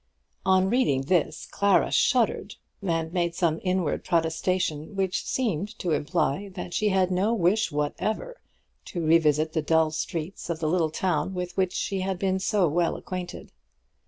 On reading this Clara shuddered, and made some inward protestation which seemed to imply that she had no wish whatever to revisit the dull streets of the little town with which she had been so well acquainted.